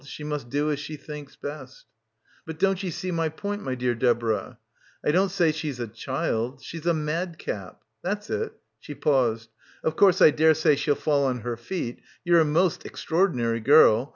She must do as she thinks best." "But don't ye see my point, my dear Deborah? I don't, say she's a child. She's a madcap. That's it." She paused. "Of course I daresay she'll fall on her feet. Ye're a most extraor dinary gel.